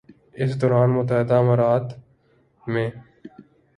اس دوران متحدہ عرب امارات میں